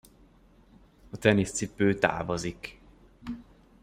A teniszcipő távozik.